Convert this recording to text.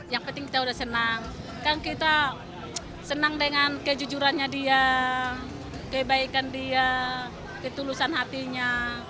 yang penting kita udah senang kan kita senang dengan kejujurannya dia kebaikan dia ketulusan hatinya